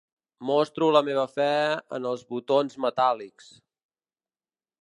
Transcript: Mostro la meva fe en els botons metàl·lics.